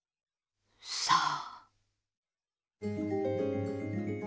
さあ。